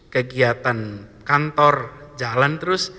kegiatan kantor jalan terus